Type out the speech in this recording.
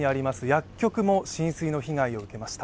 薬局も浸水の被害を受けました。